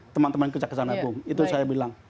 teman teman kejaksaan agung itu saya bilang